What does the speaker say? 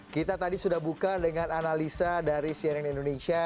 kita tadi sudah buka dengan analisa dari cnn indonesia